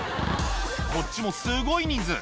こっちもすごい人数。